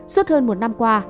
suốt hơn một năm qua